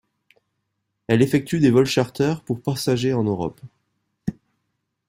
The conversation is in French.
Elle effectue des vols charter pour passagers en Europe.